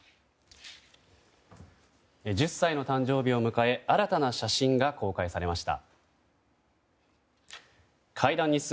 １０歳の誕生日を迎え新たな写真が公開されました。